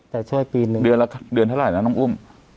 แต่ช่วยปีนึงเดือนละเดือนเท่าไหร่นะน้องอุ้ม